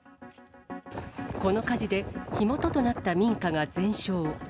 この火事で火元となった民家が全焼。